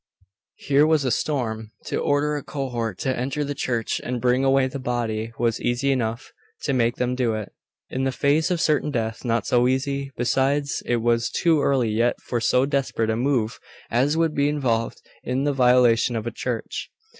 Here was a storm! To order a cohort to enter the church and bring away the body was easy enough: to make them do it, in the face of certain death, not so easy. Besides, it was too early yet for so desperate a move as would be involved in the violation of a church